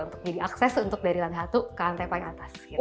untuk jadi akses untuk dari lantai satu ke lantai paling atas